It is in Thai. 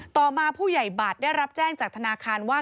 ต่อมาผู้ใหญ่บัตรได้รับแจ้งจากธนาคารว่า